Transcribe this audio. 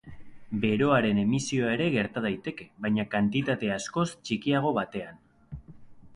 Beroaren emisioa ere gerta daiteke, baina kantitate askoz txikiago batean.